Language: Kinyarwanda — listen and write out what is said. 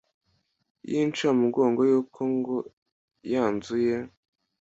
yincamugongo yuko ngo yanzu ye